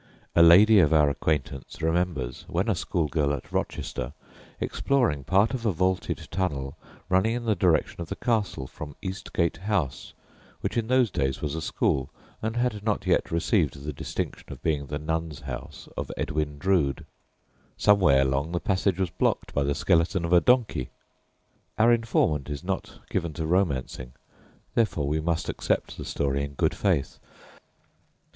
A lady of our acquaintance remembers, when a schoolgirl at Rochester, exploring part of a vaulted tunnel running in the direction of the castle from Eastgate House, which in those days was a school, and had not yet received the distinction of being the "Nun's House" of Edwin Drood. Some way along, the passage was blocked by the skeleton of a donkey! Our informant is not given to romancing, therefore we must accept the story in good faith.